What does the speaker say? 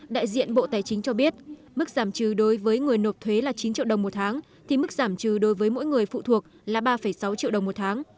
đại diện bộ tài chính cho biết mức giảm trừ đối với người nộp thuế là chín triệu đồng một tháng thì mức giảm trừ đối với mỗi người phụ thuộc là ba sáu triệu đồng một tháng